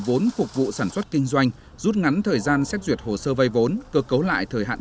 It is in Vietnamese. vốn phục vụ sản xuất kinh doanh rút ngắn thời gian xét duyệt hồ sơ vây vốn cơ cấu lại thời hạn